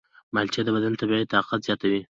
مالټې د بدن طبیعي طاقت زیاتوي.